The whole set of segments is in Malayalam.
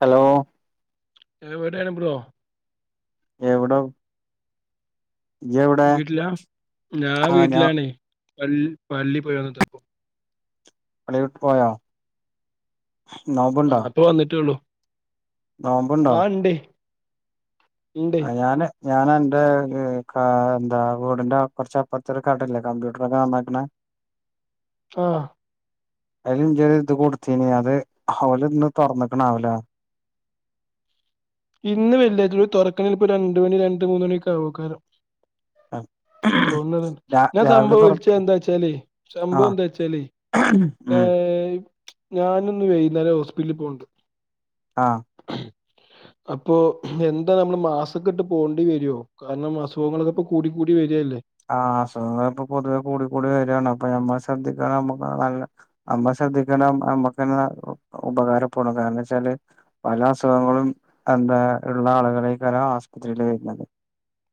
ഹലോ എവിടെണ് ബ്രോ എവിടോ വീട്ടിലാ ഞാ ആ ഞാൻ വീട്ടിലാണേ പ പള്ളി പോയി വന്നതാ ഇപ്പോ പള്ളി [unintelligible] പോയാ ആ പ്പൊ വന്നിട്ടേള്ളു നോമ്പുണ്ടോ ആ ണ്ടേയ് ആ ഞാന് ഞാൻ അന്റെ എന്താ വീടിന്റെ കുറച്ചപ്പുറത്തെ ഒരു കടല്ലേ കമ്പ്യൂട്ടറൊക്കെ നന്നാക്കണെ [inaudible] ആ അയിൽ ഇന്റെ ഒരു ഇത് കൊടുത്തീനി അത് അവല് ഇന്ന് തുറന്ന്ക്ക്ണാവലെ ഇന്ന് വെല്ലിയരു തുറക്കണൽപ്പോ രണ്ട് മണി രണ്ട് മൂന്ന് മണിയൊക്കെ ആകക്കാരെ ആഹ തോന്നത് ഞാൻ സംഭവം വിളിച്ച എന്താ വച്ചാ ആ ല്ലേസംഭവം എന്താ വച്ചാല്ലേ ഏ ഉം [unintelligible] ർ ഞാനൊന്ന് വൈകുന്നേരം ഹോസ്പിറ്റലിൽ പോണ്ട് ആഹ [inaudible] അപ്പൊ എന്താ നമ്മള് മാസക്കെ ഇട്ട് പോകേണ്ടി വരുവോ കാരണം അസുഖങ്ങളൊക്കെ ഇപ്പോ കൂടി കൂടി വരികല്ലേ ആ അസുഖങ്ങള് ഇപ്പൊ പൊതുവെ കൂടിക്കൂടി വരികാണ് അപ്പൊ ഞമ്മള് ശ്രദ്ധിക്ക നമ്മക്ക് നല്ല നമ്മ ശ്രദ്ധിക്കണം നമുക്ക് ന്നെ ഉപ ഉപകാരപ്പെടും കാരണം വെച്ചാല് പല അസുഖങ്ങളും എന്താ ഉള്ള ആളുകളേക്കല്ല ആശുപത്രിയില് വരുന്നത്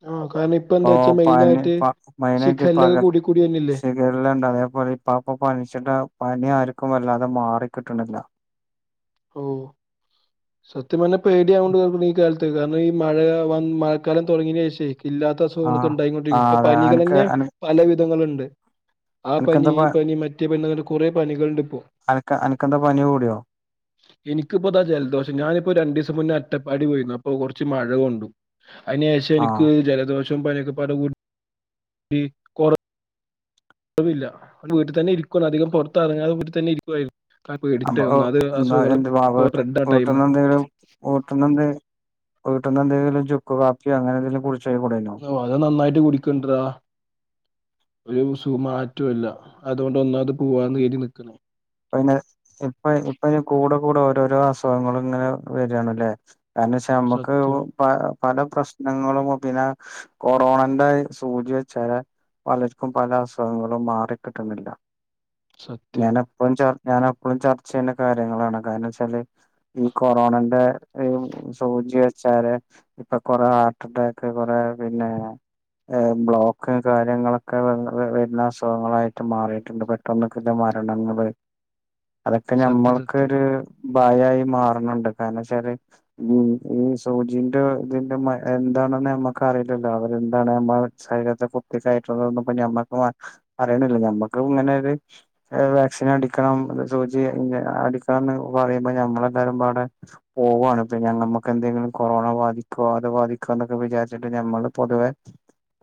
ആ കാരണം ഇപ്പൊ പോ എന്താ വെച്ചാൽ പ മെയിൻ ആയിട്ട് [unintelligible] മൈനായിട്ട് ശിഖല്ലൊക്കെ പകര കൂടി കൂടി വന്നില്ലേ ശീഖരല ഉണ്ട് അതേപോലെ ഇപ്പപ്പൊ പനിച്ചിട്ട പനി ആരം മല്ലാതെ മാറിക്കിട്ടണില്ല ഓഹ് സത്യം പറഞ്ഞ പേടിയാവോണ്ട് ഈ കാലത്ത് കാരണം ഈ മഴ വന്ന മഴക്കാലം തുടങ്ങിയ ശേഷവേ ഇല്ലാത്ത അസുഖങ്ങളൊക്കെ ആഹ് ഉണ്ടായിോണ്ടിരിക്കും ആഹ് ഇപ്പൊ അതെ അനക്ക് പനികളഞ്ഞെ അന പല വിധങ്ങളുണ്ട് ആ അനക്കെന്താ പനി പ ഈ പനി മറ്റേ പനിന്ന് കുറെ പനികളുണ്ട് ഇപ്പോ അനക്ക് അനക്കെന്താ പനി കൂടിയോ എനിക്കിപ്പോതാ ജലദോഷം ഞാനിപ്പോ രണ്ടു ദിവസം മുന്നേ അറ്റപ്പാടി പോയിരുന്നു അപ്പൊ കുറച്ച് മഴ കൊണ്ടു അയിനെഷം ആഹ് എനിക്ക് ജലദോഷം പനൊക്കെ പടെ കൂടി കൊറ കുഴപ്പില്ല ഇവടെ വീട്ടിൽ തന്നെ ഇരിക്കുവ അധികം പുറത്തിറങ്ങാതെ വീട്ടിൽ തന്നെ ഇരിക്കുവായിരുന്നു. കാരണം പേടിച്ചിട്ടേ അപ്പൊ ഒന്നാമത് എന്താ അസുഖങ്ങൾ എന്റെ വാ വ ഇപ്പൊ വട്ട സ്പ്രെഡ് ആ ടൈമാണ് വീട്ടന്ന്ന്തെും വീട്ടന്ന് എന്ത വീട്ടന്ന് എന്തെങ്കിലും ചുക്ക്ു കാപ്പിയെന്തെങ്കും കൂടി- ഓ അതെ നന്നായിട്ട് കുടിക്കണ്ടടാ ഒരു സുഖമാറ്റമല്ല അതുകൊണ്ട് ഒന്നാമത് പോവാന്ന് കറി നീക്കണേ ഇപ്പ ഇെ ഇപ്പൊ ഇപ്പ ഇന് കൂടെ കൂടെ ഓരോരോ അസുഖങ്ങളും ഇങ്ങനെ വരിണല്ലേ കാരണം വെച്ചാ നമ്മുക്ക് സത്യം പഴ- പല പ്രശ്നങ്ങളും പിന്നെ കൊറോണന്റെ സൂചി വെച്ചാല് പലർക്കും പല അസുഖങ്ങളും മാറിക്കിട്ടുന്നില്ല സത്യം ഞാൻ എപ്പോഴും ചർ ഞാൻ എപ്പഴും ചർച്ച ചെയ്യണ്ട കാര്യങ്ങളാണ് കാരണം വെച്ചാല് ഈ കൊറോണന്റെ സോചി വെച്ചാല് ഇപ്പൊ കൊറെ ഹാർട്ട് അറ്റാക്ക് കൊറെ പിന്നെ ബ്ലോക്ക് കാര്യങ്ങളൊക്കെ വരുന്ന അസുഖങ്ങളായിട്ട് മാറിയിട്ടുണ്ട് പെട്ടന്നൊക്കെ അ [unintelligible] അതൊക്കെ സത്യം സത്യം ഞമ്മൾക്കൊരു ഭയായി മാറണുണ്ട് കാരണവച്ചാല് ഈ സൂചിന്റെ ഇതിന്റെ എന്ത ാണ നമ്മക്ക അറിയില്ലല്ലോ അവരെന്താണ്മ്മ ശരീരത്തെ കുപ്പ ക മ്മ [unintelligible] [unintelligible] നമ്മക്ക് ഇങ്ങനൊരു ഏ വാക്സിൻ എടു- എടുക്കണം സചി അ [unintelligible] അടിക്കന്ന് പറയുമ്പോ ഞമ്മളെല്ലാരും പാടെ പോവാണ് ഇ ഞ നമുക്ക് എന്തെങ്കിലും കൊറോണ ബാധിക്കോ അത് ബാധിക്കോ എന്നൊക്കെ വിചാരിച്ചിട്ട് നമ്മള് പൊതുവെ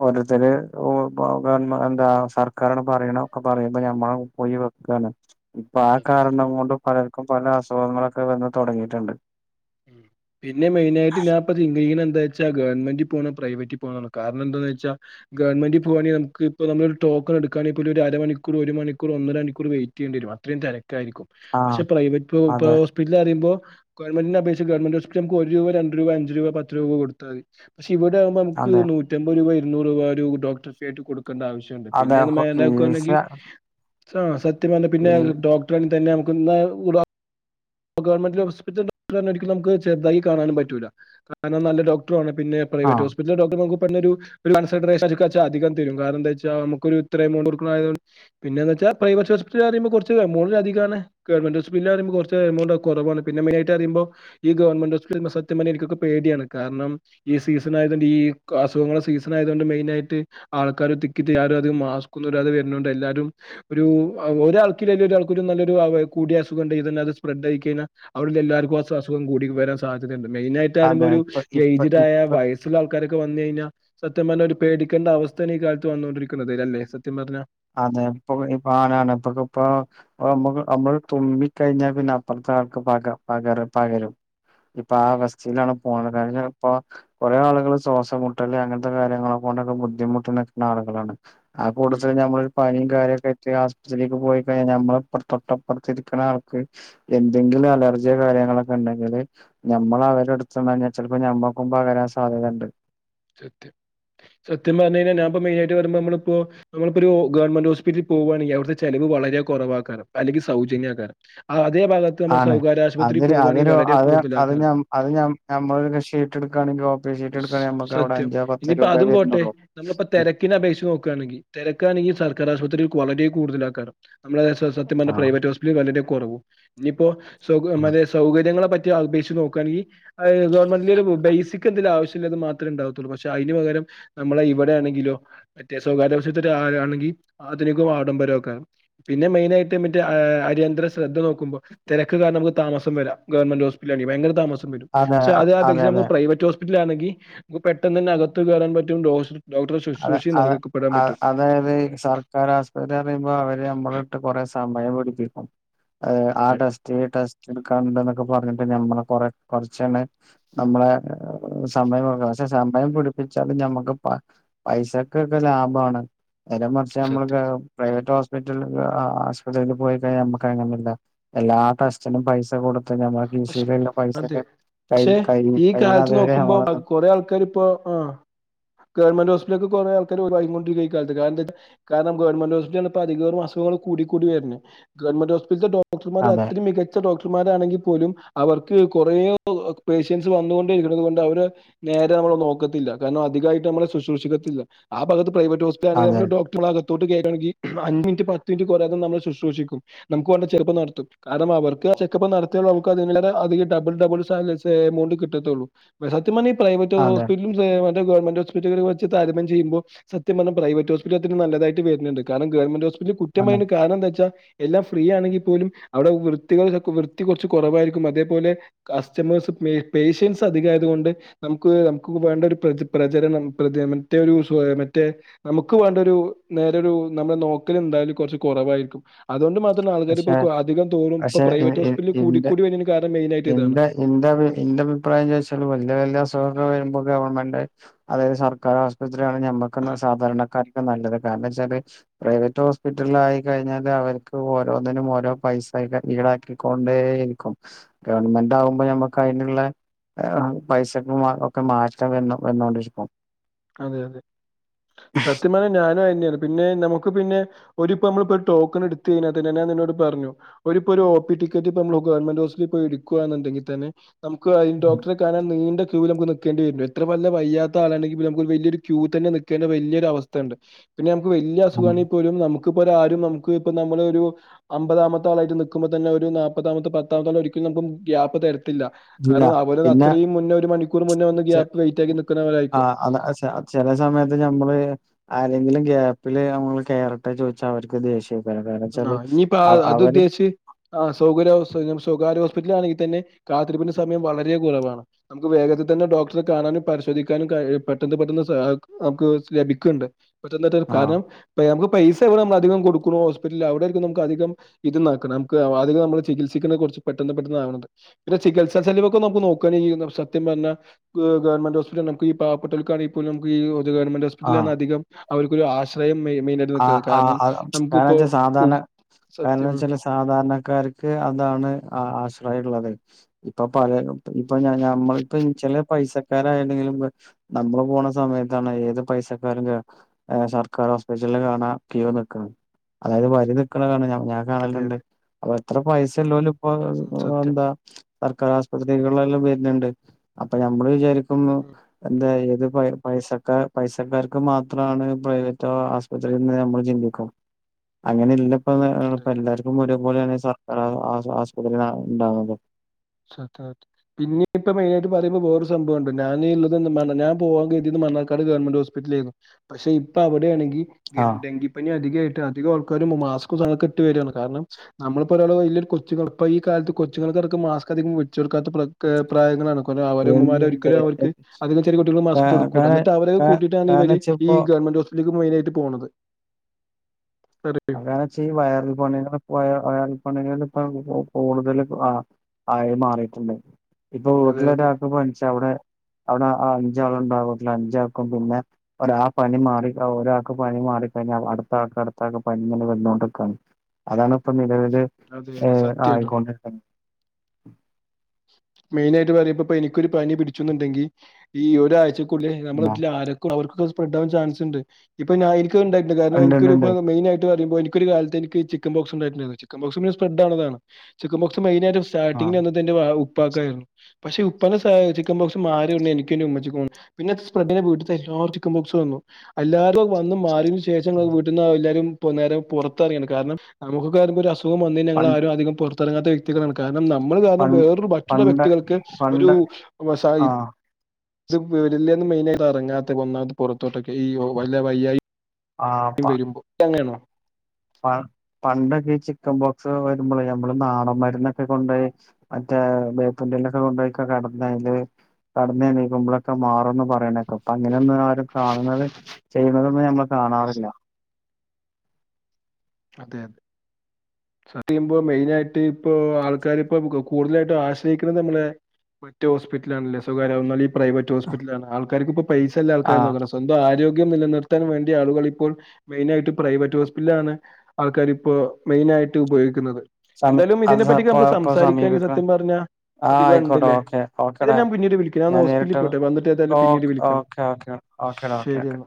ഒരോത്തര് വ [unintelligible] [unintelligible] എന്താ സർക്കാരിന് പറയണ ഒക്കെ പറയുമ്പോ നമ്മ പോയി വെക്കാണ് ഇപ്പൊ ആ അതെ അതെ കാരണം കൊണ്ട് പലർക്കും പല അസുഖങ്ങളൊക്കെ വന്ന് തുടങ്ങിയിട്ടുണ്ട് പിന്നെ മെയിൻ ആയിട്ട് ഞാനിപ്പ ചിന്തിക്കണ എന്താവെച്ചാ ഗവൺമെൻ്റിൽ പോണോ പ്രൈവറ്റിൽ പോണോന്നാ കരണം എന്താന്ന വെച്ചാൽ ഗവൺമെന ോക്കൺ എടുുകണങ്കിൽല കൂപ്പൺ എടുക്കുവാണീ ഒരു അരണിക്കൂർ ഒരു മണിക്കൂ ഒന്നരണിക്കൂർ വെയിറ്റ് ചെയ്യണ്ടിരും അത്രയും തരം ആയിരിക്കും ആഹ് പക്ഷെ പ്രൈവറ്റ് ഹോപ് അതെ ഹോസ്പിറ്റല് അറിയുമ്പോ ഗവൺമെന്റിനെ അപേക്ഷി- ഗവൺമെൻ്റ് ഹോസ്പിറ്റൽ നമ്മള് ഒരു രൂപ രണ്ട് രൂപ അഞ്ച് രൂപ പത്ത് രൂപ കൊടുത്താതി പക്ഷേ- ഇവിടെ ആവുമ്പോ നമുക്ക് അതെ നൂറ്റമ്പത് രൂപ ഇരുന്നൂറ് രൂപ ഒരു ഡോക്ടർ ഫീ ആട്ട് കൊടു കോടുക്കേണ്ട ആവശ്യമുണ്ട് അതെ പിന്നെ എത് [unintelligible] ക്കുകവാണെങ്കിൽ ഫീസ് ആ സത്യം പറഞ്ഞാൽ പിന്നെ ഈ ഡോക്ടറെന്നെ തന്നെ നമുക്ക് ഗവൺമെന്റ് ഹോസ്പിറ്റല്‌ ഒരിക്കലും നമുക്ക് ചെറുതായി കാണാനും പറ്റൂല്ല കാരണം നല്ല ഡോക്ടറ ആണ് പിന്ന പ്രൈവറ്റ് ആഹ് ഹോസ്പിറ്റലിലെ ഡോക്ടർ ച്ച അധികം തരും കാരണംന്താ വെച്ചാ നമുക്ക ഒരു ഇത്ര എമൗണ്ട്കൊട്ക്ക്ണായാതുകൊണ്ട്പിന്നെ എന്താച്ചാ പ്രവൈറ്റ് ഹോസ്പിറ്റല് പറയുമ്പോകുറച്ച് എമൗണ്ട് അധികാണ്ഗവൺമെന്റ് ഹോസ്പിറ്റല് പറയ്മ്പോകുറച്ച് [unintelligible] എമൗണ്ട് കുറവാണ് പിന്നെ മെയിൻനായിട്ട് അറിയുമ്പോ ഈ ഗവൺമെന്റ് ഹോസ്പിറ്റലിൽ സത്യം പറഞ്ഞ എനിക്കൊക്കെ പേടിയാണ് കാരണം ഈ സീസൺ ആയതൊണ്ട് ഈ അസുഖങ്ങളെ സീസൺ ആയത് കൊണ്ട് മെയിൻ ആയിട്ട് ആൾക്കാര് തിക്കിതിയാരത് ആരും അധികം മാസ്ക്കൊന്നും ഇടാതെ വരുന്ന്ണ്ട് എല്ലാരും ഒരു ഒരാൾക്കേല് ഒരാൾ നല്ലൊരു കൂടി അസുഖം ഉണ്ട്ത് ഇതല്ലാതെ സ്പ്രെഡ് യിക്കഴിഞ്ഞ അവിടെ എല്ലർക്കും അസുഖ കൂടി വരാൻ സാധ്യതുണ്ട് മെയിന് ആയിട്ട് ആയുമ്പോ അതെ ഒരു ഇപ്പൊ ഇപ്പൊ ഏജ്ഡ് ഒ ആയ ഒരു ഇപ്പൊ വയസ്സുള്ള ആൾ ആക്കാരൊക്കെ വന്നു കഴിഞ്ഞാ സത്യം പറഞ്ഞഞ് ഒരു പേടിക്കേണ്ട അവസ്ഥയ കാലത്ത് വന്നുകണ്ടിരിക്കുന്നത് അല്ലേ സത്യം പറഞ്ഞ അതെപ്പൊ ഇപ്പ ആനാണ് ഇപ്പൊ ഇപ്പമ്മ നമ്മള് തുമ്മി ക്കഴിഞ്ഞ പിന്നപ്പ പക പക പകരും ഇപ്പൊ ആ ഉം അവസ്ഥയിലാണ് പോണ ഇപ്പൊ കൊറെേ ആളുകൾ ശ്വാസമ മുട്ടല് അങ്ങനത്തെ കാര്യങ്ങളെ കൊണ്ടൊക്കെ ബുദ്ധിമുട്ട് നിൽക്കുന്ന ആളുകളാണ് ആ ഉം നമ്മൾ ഒരു പനി െ ആത്ക്ക് പോയിിമ്മൊട്ടപ്പറുന്ന ആൾക്ക് എന്തെങ്കിലും [unintelligible] അലർജി കാര്യങ്ങളൊക്കെ ഉണ്ടെങ്കില് നമ്മൾ അവരെ എടുത്താൽ ചിലപ്പോ ഞമ്മൾക്കും പകരാൻ സാധ്യതുണ്ട് സത്യം സത്യം പറഞ്ഞഴിഞ്ഞാ മെയിയിട്ട് പറയുമ്പോപ്പോ നമ്മള് ഒരു ഗവമെന്റ് ഹോസ്പിറ്റിൽ പോകുകവാണെങ്കിൽ അവിടത്തെ ചിലവ് വളരെ കുറവാക്ക അല്ലെങ്കിൽ സൗജന്യക്കാനും അതേ ഭാഗത്ത് നമ്മൾ ആണ് സ്വകാര്യ ആശുപത്രിൽ അത് പോകുവാണെങ്കി അതൊരു വളരെ അത് കൂടുതല ആൾക്കാര് അത് അത് നമ്മളൊരു ഷീറ്റ് എടുക്കുകയാണെങ്കിൽ ഓപ്പറേഷൻ ഷീറ്റ് എടുക്കുകയാണെങ്കിൽ നമുക്ക് അവിടെ സത്യം അഞ്ചോ പത്തോ ഇനിയിപ്പോ രൂപ അതും പോട്ടെ വരുന്നുള്ളൂ നമ്മളിപ്പോ തിരക്കിനെ അപേക്ഷിച്ച് നോക്കയാണെങ്കിൽ തിരക്കാണെങ്കി സർക്കാർ ആശുപത്രിയി വളരെ കൂടുതല ആാക്കാറ് നമ്മള സത്യം പറഞ്ഞ ആഹ് പ്രൈവറ്റ് ഹോസ്പിറ്റല വളരെ കുറവ് ഇനിയിപ്പോ സൗക മേ സൗകര്യങ്ങളെ പറ്റി അപേക്ഷിച്ച് നോക്കുകയാെങ്കി ഗവൺമെന്റിന്റെ ബേസിക് ആവശ്യമത് മാത്രേ ഉണ്ടാവത്തുള്ളൂ പക്ഷെ അതിന് പകരം നമ്മള ഇവിടെ ആണെങ്കിലോ മറ്റേ സ്വകാര്യ ആശുപത്രിയിൽ ആണെങ്കിൽ അധനികും ആഡംബരംമൊക്കെ പിന്നെ മെയിനയിട്ട് മറ്റേ അര്യന്തര ശ്രദ്ധ നോക്കുമ്പോൾ തിരക്ക് കാരണം നമക്ക് താമസം വരാം ഗവൺമെന്റ് ഹോസ്പിറ്റലിൽ ആണെങ്കി ഭയങ്കര താമസം അതെ പക്ഷെ അതെ അതാപേക്ഷിച്ചു അതെ നമുക്ക് പ്രൈവറ്റ് ഹോസ്പിറ്റലണെങ്കിൽ പെട്ടെന്ന് തന്നെ അകത്തു കയറാൻ പറ്റും ഡോക്ടറെ അത ശുശ്രൂഷ നൽകപ്പെടാൻ അ പറ്റും അതായത് ഈ സർക്കാർ ആശുപത്രി പറയുമ്പോ അവര് നമ്മള ഇട്ട് കൊറെ സമയം പയപ്പെടുരിക്ക [unintelligible] അത ആ അതെ ടെസ്റ്റ് ടെസ്റ്റ് എടുക്കാണ്ടന്നൊക്കെ പറഞ്ഞിണ്ട് റ നമ്മ സമയ പ സ [unintelligible] നമ്മക്ക് പൈസക്കക്കെ ലാഭമാണ് നേരെ മറച്ച് സത്യം നമ്മക്ക് പ്രൈവറ്റ് ഹോസ്പിറ്റലില് മറ്റുള്ള ആശുപത്രിയിൽ പോയി കഴിഞ്ഞാൽ നമുക്ക് അങ്ങനല്ല എല്ലാ ടെസ്റ്റനും പൈസ കൊടു പ അതെ കൈ പക്ഷെ കൈ ഈ കഴിയണ കാലത്ത് അതുവരെ നോക്കുമ്പോ നമ്മളൊന്ന് കൊറേ ആൾക്കാർ ഇപ്പോ ആ ഗവൺമെന്റ് ഹോ കുറെ ആൾക്കരിക്കഈാലത്ത്ാര [unintelligible] കാരണം ഗവൺമന്റ് ഹോസ്പിറ്റലിൽ ചെന്നപ്പോ അധികം അസുങ്ങൾ കൂടി കൂടി വരുന്നു ഗവൺമെന്റ് ഹോസ്പിറ്റല ഡോക്ടർമാർ അതെ അത്ര മികച്ച ഡോക്ടർമാരാണെങ്കി പോലും അവർക്ക് കൊറേ പേഷ്യൻസ് വന്നൊണ്ടേ ഇരിക്കുന്നത്ണ്ട് അവര് നേരെ നമ്മെ നോക്കത്തില്ല കാ രണം അധികമായിട്ട് നമ്മള് ശുശ്രഷിക്കത്തില്ല ആ ഭാഗത്തു പ്രൈവറ്റ് അതെ ഹോസ്പിറ്റലാണെങ്കിൽ ഡോക്ടർ ഭാഗത്തു കയയാെങ്കിൽ അഞ് മിനി പത്ത് മിനിറ്റ് നമ്മൾ ശുശ്രൂഷിക്ക നുക്ക് വ ചെറപ്പ നടത്തും കാരണം അവർക്ക് ചെക്കപ്പ് നടത്തിയുള്ളൂ നമുക്ക് അ അധിക ഡബിൾ ഡബിൾ എമൗണ്ട് കിട്ടത്തുള്ളൂ സത്യം പറഞ്ഞ പ്രൈവറ്റ് അതെ അതെ ഹോസ്പിറ്റൽ ഗവൺമെന്റ് ഹോസ്പിറ്റൽ വെച് താരതമ്യം ചെയ്യുമ്പോ സത്യ പറഞ്ഞ പ്രൈവറ്റ് ഹോസ്പിറ്റൽ നല്ലതായിട്ട് വരുന്നുണ്ട് കാരണം ഗവണ്മെന്റ് അതെ കുറ്റമായി കാരണം എന്താ വെച്ചാ എല്ലാം ഫ്രീ ആണെങ്കിൽ പോലും അവിടെ വൃത്തികൾ കുറച്ച് കുറവായിരിക്കും അതേപോലെ കസ്റ്റമേഴ്സ് പേഷ്യൻസ് അധികയത് കൊണ്ട് നമുക്ക് നമുക്ക് വെണ്ടൊരു പ്രചരണം മറ്റേ മറ്റേ നമുക്ക് വേണ്ടായൊരു നേരേയൊരു നമ്മ നോക്കൽന്തായും കുറച് കുറവായിരിക്കും അതുകൊണ്ട് മാത്രം ആൾക്കാർ അധികം തോറും പ്രൈവറ്റ് എ ഹോസ്പിറ്റലിൽ എ കൂടിക്കൂടി വരുന്നതിന് കാരണം മെയിൻ ആയിട്ട് എ ഇതാണ്. എന്റെ അഭിപ്രായം ചോച്ചാല് വല സ മ്പോ ഗവൺമെന്റ് അതായത് സർക്കാർ ആശുപത്രിയാണ് നമ്മക്ക് സാധാരണക്കാക്ക നല്ലത് കാരണം വൊ ്പ [unintelligible] ഓരോന്നിനും ഓരോ പൈസ ഈടാക്കിക്കൊണ്ടേ ഇരിക്കും ഗവൺമെന്റ് ആകുമ്പോ നമ്മുക്ക് അതിനുള്ള പൈസക്ക ഒക്കെ മാറ്റാൻ വന്ന് വന്നോൊണ്ടിരിക്കും അതെ അതെ സത്യമാ ഞാനും പിന്നെ നമുക്ക് പിന്നെ ഒരു നമ്മ ടോക്കൺ എടുത്ത് കഴിഞ്ഞാന്നെ ഞാൻോട് പറഞ്ഞു പ്പ ടിക്കറ്റ് ഇ നമ്മ ഗവമെന്റ് ഓഫസിൽ പോയി ഇക്കുകുണ്ടെങ്കിൽ തന്നെ നമുക്ക്ഈ ഉം ഡോക്ടറെ കാണാൻ നീണ്ട ക്യൂ നമുക്ക് നക്കണ്ടി വരും എത്ര വല്ല വയ്യാത്ത ആാണെങ്ക ലൊരു യ തന്നെ നക്കേണ്ട വലിയ ഒരു അവസ്ഥ ഉണ്ട് പിന്നെ നമുക്ക് വലിയ ആഹ് അസഖണെ പോലും നമു െ ആരും നമുക്ക് ഇപ്പ നമ്മ ഒരു അമ്പതാമത്ത ആളായിട്ട് നക്കുമ്പോ തന്നെ ഒരു നാപ്പതാമ പത്താമ ആ ഒരിക്കലും ് [unintelligible] ഇല്ല കാരണം അതുപലെ പിന്നെ അത്രയും മുന്നേ ഒരു മണിക്കൂർ മുന്നേ വന്ന് ഗ്യാപ്പ് വയിറ്റ്റ്റാക്കി നൽിക്കുന്നവരായിരിക്കും ചില സമയത്ത് നമ്മള് ആരെങ്കിലും ഗ്യാപ്പില് നമ്മള് കേറട്ടെ ചോദിച്ചാ അവർക്ക് ദേഷ്യ ആ ഇനിയിപ്പോ അത് ഉദ്ദേശിച്ച് ആ സൗകര്യ സ്വകാര്യ ഹല ആണെങ്ക തന്നെ കാത്തിപ്പിന്റെ സമയം വളരെ കുറവ നമക്ക് വേഗത്തിൽ തന്നെ ഡോക്റെ കാണാനും പരിശോധിക്കാനും പെട്ടെന്ന് പെട്ടെന്ന് നമുക്ക് ലഭിക്കണ്ട് പറ്റെന്ന് ത ആഹ് കാരണം നമുക്ക് പൈസ എവിടെ നമ്മള അധികം കൊടുക്കണോ അവിടെും നമു അധികം ഇത്ണം നമക്ക് അികം നമ്മള് ചികിത്സിക്കുന്ന കുറച്ച് പെട്ടെന്ന് പെട്ടന്ന ആണെ ചികിത്സാെലവൊക്കെ നമു നോക്കഈ സത്യം പറഞ്ഞാ ഗവൺമെന്റ് ഹോസ്പിറ്റല നമ ഈ പാപ്പെട്ടക്കണ നമ ഗവൺമെന്റ് ഹോസ്പിറ്റലിലാണ് ആഹ് അധികം അവർക്കൊരു ആശയം മെയിൻ ആായിട്ട് നിൽക്കുന്നത് കാരണം നമുക്കിപ്പോ സ കണം സത്യം വെച്ചാല് സാധാരണക്കാർക്ക് അതാണ് ആ അിായള്ളത്െ ഇപ്പൊ പല ഇപ്പൊ ഞമ്മളിപ്പ ചില പൈസക്കാരായിെങ്കിലും നമ്മള് പോണ സമയത്താണ് ഏത് പൈസക്കാരും സർക്കാരോ കാണ കോ ന അതായത് വരി നണ കാണ ഞാൻ അതെ കാണലുണ്ട് അതെ അ അത്ര പൈസല്ലല ഇപ്പ ഉം സത്യം എന്താ സർക്കാർ ആശുപത്രികളിലെല്ലാം വരുന്നുണ്ട് അപ്പൊ നഞമ്മള് വിചാരിക്കുന്നു ഉം എന്താ പൈസ പൈസക്കാർക്ക് മാത്രമാണ് പ്രൈവറ്റ ആൽ നമ്മ ചിന്തിക്കും അങ്ങനെല്ല അതെ അതെ എല്ലർക്കും പോലെയാണ് സക്ക ആസ്പത് ഉണ്ട സത് പിന്ന ഇപ്പ മെയിനായിട്ട് പറയുമ്പോ പോേറെ ഒരു സംഭവംുണ്ടോ ഞാന്ൻ ഉള്ളത് വേണം ഞാൻ പോവാാൻ കഴ ണാട് ഗവൺമെന്റ് ഹോസ്പിറ്റല ആായിരുന്നു പക്ഷെ ഇപ്പോ അവിടെ ആണെങ്ക ആഹ് ഡെങ്കിപ്പനി അധിക അധികം ആൾക്കാരും മാസ്െട്ട വരികയാണ് കാരണം നമ്മളപ്പോ ഒരാള വലിയ കൊച്ചൾ ഇപ്പൊ ഈ കാലത്ത് കൊച്ചുൾക്ക് സ്ക് അധികം വെച്ച്ൊടുക്കാത്ത പ്രായങ്ങള അവരമ്മമാ ഒരിക്കലും അവർക്ക് അതിനെ ചെറ കുട്ടികൾ മാസ്ക് കൊടുക്ക എന്നി് അവര കൂട്ടയിട്ടാണ് ഇവര് കാരണച്ചിപ്പോ ഗവമെന്റ് േക്ക് മയിനായിട്ട് പോണത് അറിയോ അങ്ങനച്ച വയറിൽ പണിെ പോയ പണികൾ ഇപ്പ കൂടുതൽ ആയി മാറിട്ടുണ്ട് ഇപ്പൊ അതെ വീട്ടില അതെ ഒരാൾക്ക് പണിച്ച അവിടെ അവിടെ അഞ്ചാൾ ഉണ്ടാാവട്ടില്ല അഞ്ചാക്കും പിന്നെ ഒരാ പനി മാറി ഒരാൾക്ക് പ മാ ി അടുത്ത അടുത്തെ പനിെ വോാണ് അതാണ് ഇപ്പ നില അതെ ഏ അതെ സത്യായിട്ടും ആയിക്കൊണ്ടി മെയിൻ ആയിട്ട് പറയുമ്പ എനിക്കൊരു പനി പിടിച്ചുന്നുുണ്ടെങ്കിൽ ഈ ഒരാഴ്ച നമ്മ ആക്കും അവർക്കെ സ്പ്രെഡ് ആൻ ചാൻസ് ഉണ്ട് ഇപ്പൊ ഉണ്ടായിട്ട കാരണം ഇണ്ട് ഇണ്ട് ഇണ്ട് എനിക്കൊരുപ്പോ മെയിായിട്ട് പറയുമോൾ എക്ക് ഒരു കാലത്ത്നിക്ക് ചിക്കൻ ബോ ഉണ്ട ചിക്കൻ ബ സാണ് ചിക്കൻ ബോക്സ് മെനായി് സ്റ്റാി ആഹ് ഉപ്പാക്കായിരുന്നു പക്ഷെ ഉപ്പിക്കൻ പോക്ഷ മാറി എനിക്ക ഉമ്മ പിന്നെ സ്പ്രഡെ വീട്ട ചൻ ബോക് വന്നു എല്ലാവരും വന്ന് മാറതിു ശേഷ വീട്ട എല്ലും നേ പുറത്ത കാരണം നമുക്ക് കരുോ ഒരു അസുഖം വന്ന ഞൾ പണ്ട് ആരും അധം പുറത്തിറങ്ങാത്ത വ്യക്കളാണ് കാരണം നമ്മൾ പണ്ട് വേറൊ മറ്റുള്ള പണ്ട് വ്യക്തികൾക്ക് ഒരു പണ്ട് ആഹ് ഇത് വരില്ലെന്ന് മെയിനായിട്ട് എറങ്ങാത്ത ഒന്നാത് പുറത്തോട്ടൊക്കെ ഈ വല്ല വയ്യായി വരുമ്പോ തങ്ങനാണോ ആ പണ്ടൊക്കെ ചിക്കബോക്സ് വരുമ്പളെ നമ്മള് നാടൻ മരുന്നൊക്കെ കൊണ്ടോയി അരച്ചി ഏ വേപ്പും തിണ്ടൊക്കെ കൊണ്ടുപോയിക്കെ കിടന്നയില് കിടന്നേണീക്കുമ്പോളൊക്കെ മാറുന്ന് പറയണേക്ക ഇപ്പ അങ്ങനെയന്നും ആരും കാണുന്നത് ചെയ്യുന്നതൊന്നും ഞമ്മക്ക കാണാറില്ല അതെ അതെ സത്യയ്യുമ്പോ മെയിനായിട്ട് ഇപ്പൊ ആൾക്കാരിപ്പോ കൂ കൂടുതലായിട്ടും ആശ്രയിക്കണെ നമ്മളെ മറ്റ് ഹോസ്പിറ്റിലാണല്ലേ സ്വകാര്യ ആവുന്ന ലീ പ്രൈവറ്റ് ഹോസ്പിറ്റലാണ് ആൾക്കാർക്ക് ഇപ്പ പൈസ ഇള്ള ആൾക്കാരെ ആഹ് നോക്കണം സ്വന്തം ആരോ ഗ്യം നിലനിർത്താൻ വേണ്ടി ആളുകൾ ഇപ്പോൾ മെയിനായിട്ട് പ്രൈവറ്റ് ഹോസ്പിറ്റലാണ് ആൾക്കാരിപ്പോ മെയിനായിട്ട് ഉപയോഗിക്കുന്നത് സമി എന്തായാലും അത് ഇതിനെ പറ്റി ഇപ്പ നമുക്ക് ഇപ്പൊ സംസാരിക്കാനി സമീപിക്ക സത്യം പറഞ്ഞ ആഹ് ആയിക്കോട്ടെ അതിവണ്ട്ല്ലേ ഓക്കെ എൽ ഓക്കേടാ ഞാൻ പിന്നീട് വിളിക്കാ ഞാന്ന് ഞാൻ ഹോസ്പിറ്റ്ലി നേരിട്ട് പോട്ടെ വന്നിട്ട് ഏതായാലും പിന്നീട് വിളിക്കണ്ട് ഓക്കെടാ ഓക്കെ ശരി ക്കെ എന്നാ